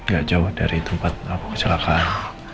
gak jauh dari tempat kecelakaan